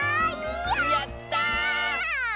やった！